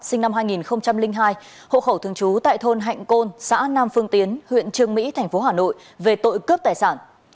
sinh năm hai nghìn hai hộ khẩu thường trú tại thôn hạnh côn xã nam phương tiến huyện trường mỹ tp hà nội về tội cướp tài sản